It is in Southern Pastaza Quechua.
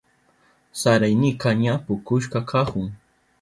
Saraynika ña pukushka kahun.